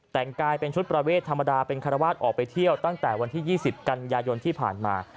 แต่งกายเป็นชุดประเวทธรรมดาเป็นคารวาสออกไปเที่ยวตั้งแต่วันที่๒๐กันยายนที่ผ่านมา